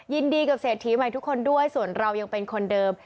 ยินดีกับเศรษฐีใหม่ทุกคนด้วยส่วนเรายังเป็นคนเดิม